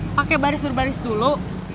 pakai baris berbaris dulu